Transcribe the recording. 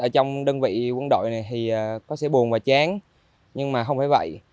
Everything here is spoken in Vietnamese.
ở trong đơn vị quân đội thì có sẽ buồn và chán nhưng mà không phải vậy